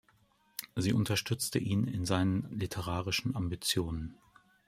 Sie unterstützte ihn in seinen literarischen Ambitionen.